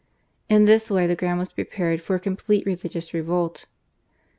In this way the ground was prepared for a complete religious revolt.